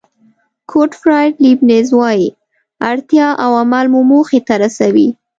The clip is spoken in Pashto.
ګوټفراید لیبنېز وایي اړتیا او عمل مو موخې ته رسوي.